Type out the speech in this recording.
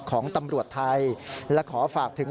ของตำรวจไทยและขอฝากถึง